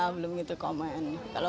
belum begitu komen